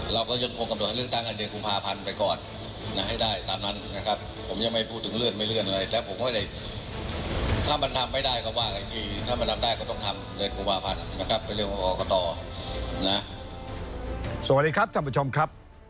สวัสดีครับท่านผู้ชมครับ